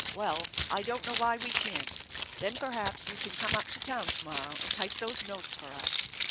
" Well, I don't know why we can't. Then perhaps you can come up to town to morrow and type those notes for us.